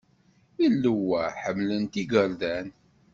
Ilew-a ḥemmlen-t igerdan.